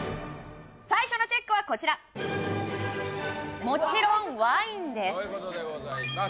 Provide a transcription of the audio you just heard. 最初のチェックはこちらもちろんワインです